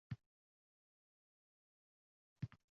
Barchalarini kechirdim sen ham meni magʻfirat qil.